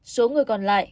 số người còn lại